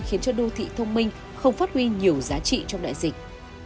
khiến cho đô thị thông minh không phát huy nhiều giá trị trong đại dịch